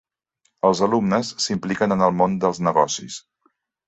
Els alumnes s'impliquen en el món dels negocis.